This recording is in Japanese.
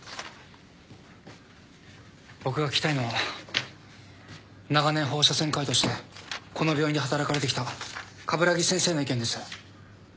僕が聞きたいのは長年放射線科医としてこの病院で働かれてきた鏑木先生の意見です。